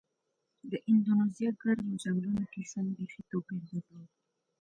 د اندونیزیا ګرمو ځنګلونو کې ژوند بېخي توپیر درلود.